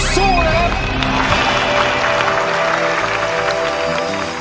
สู้นะครับ